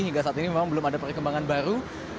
hingga saat ini memang belum ada perkembangan baru